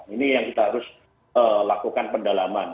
ini yang kita harus lakukan pendalaman